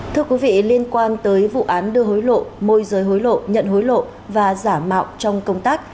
thưa quý vị liên quan tới vụ án đưa hối lộ môi giới hối lộ nhận hối lộ và giả mạo trong công tác